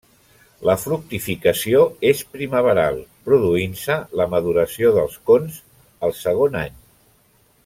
La fructificació és primaveral, produint-se la maduració dels cons el segon any.